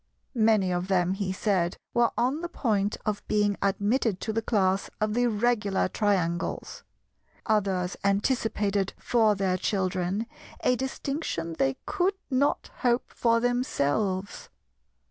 Many of them, he said, were on the point of being admitted to the class of the Regular Triangles; others anticipated for their children a distinction they could not hope for themselves.